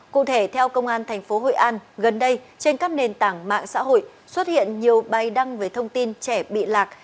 cụ thể theo công an thành phố hội an gần đây trên các nền tảng mạng xã hội xuất hiện nhiều bài đăng về thông tin trẻ bị lạc